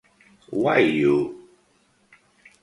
Why You?